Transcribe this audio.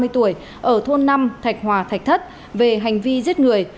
ba mươi tuổi ở thôn năm thạch hòa thạch thất về hành vi giết người